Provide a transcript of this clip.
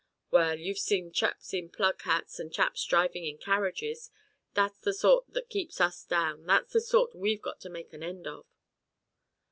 "Well, you've seen chaps in plug hats and chaps drivin' in carriages, that's the sort that keeps us down, that's the sort we've got to make an end of."